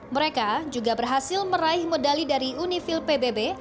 mereka juga berhasil meraih medali dari unifil pbb